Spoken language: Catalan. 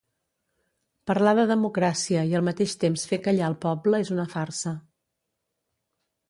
Parlar de democràcia i al mateix temps fer callar el poble és una farsa.